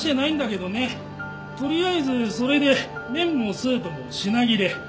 とりあえずそれで麺もスープも品切れ。